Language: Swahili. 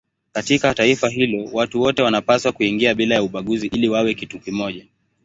Katika taifa hilo watu wote wanapaswa kuingia bila ya ubaguzi ili wawe kitu kimoja.